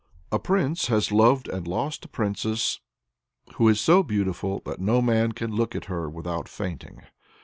A prince has loved and lost a princess, who is so beautiful that no man can look at her without fainting.